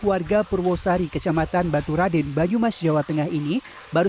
dengan warga sekitar maupun dengan satgas covid sembilan belas atau tenaga kesehatan